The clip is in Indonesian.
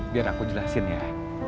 biar aku jelasin ya